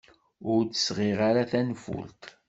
Ur d-sɣiɣ ara tanfult.